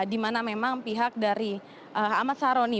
di mana memang pihak dari ahmad saroni